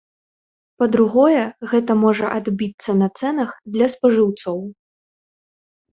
Па-другое, гэта можа адбіцца на цэнах для спажыўцоў.